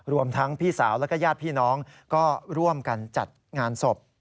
รวมทั้งพี่สาวแล้วก็ญาติพี่น้องก็ร่วมกันจัดงานศพ